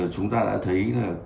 chúng ta đã thấy là